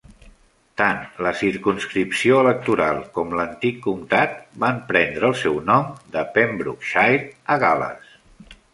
Tant la circumscripció electoral com l'antic comtat van prendre el seu nom de Pembrokeshire, a Gal·les.